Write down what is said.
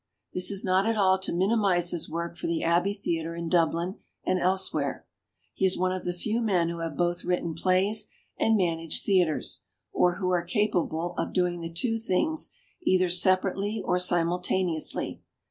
This is not at all to minimize his work for the Abbey the atre in Dublin and elsewhere. He is one of the few men who have both written plays and managed theatres, or who are capable of doing the two things, either separately or simultane ously.